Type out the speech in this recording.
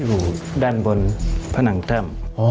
อยู่ด้านบนผนังแต้ม